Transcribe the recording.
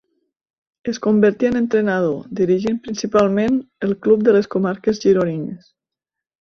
Es convertí en entrenador, dirigint principalment a club de les comarques gironines.